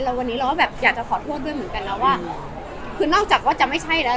แล้ววันนี้เราก็แบบอยากจะขอโทษด้วยเหมือนกันนะว่าคือนอกจากว่าจะไม่ใช่แล้ว